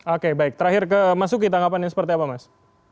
oke baik terakhir ke mas sukita anggapan yang seperti apa mas